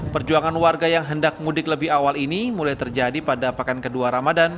perjuangan warga yang hendak mudik lebih awal ini mulai terjadi pada pekan kedua ramadan